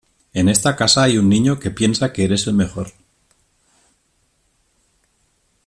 En esa casa hay un niño que piensa que eres el mejor.